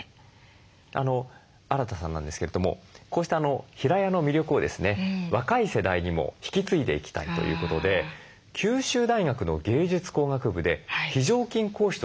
アラタさんなんですけれどもこうした平屋の魅力をですね若い世代にも引き継いでいきたいということで九州大学の芸術工学部で非常勤講師として講義を行っているということなんです。